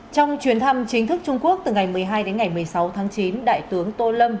trong chuyến thăm chính thức trung quốc từ ngày một mươi hai đến ngày một mươi sáu tháng chín đại tướng tô lâm